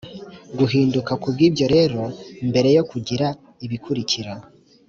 guhinduka Ku bw ibyo rero mbere yo kugira ibikurikira